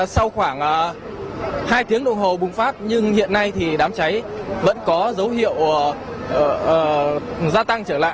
sau khoảng hai tiếng đồng hồ bùng phát nhưng hiện nay thì đám cháy vẫn có dấu hiệu gia tăng trở lại